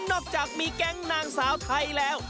อกจากมีแก๊งนางสาวไทยแล้ว